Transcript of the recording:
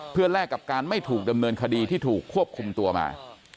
เพื่อแลกกับการไม่ถูกดำเนินคดีที่ถูกควบคุมตัวมา